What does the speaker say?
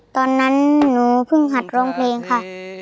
ตอนนั้นหนูเพิ่งหัดร้องเพลงค่ะ